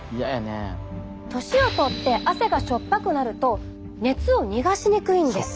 年をとって汗が塩っぱくなると熱を逃がしにくいんです。